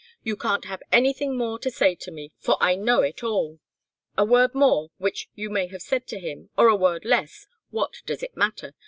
You can't have anything more to say to me, for I know it all. A word more which you may have said to him, or a word less what does it matter?